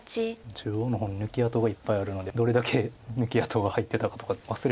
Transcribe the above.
中央の方に抜き跡がいっぱいあるのでどれだけ抜き跡が入ってたかとか忘れちゃいますよね。